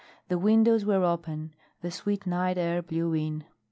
The windows were open. The sweet night air blew in.